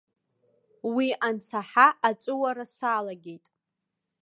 Уи ансаҳа аҵәыуара салагеит.